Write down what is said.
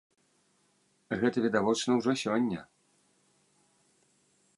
Гэта відавочна ўжо сёння!